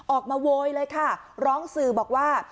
ออกมาโว้ยเลยค่ะร้องสื่อบอกว่า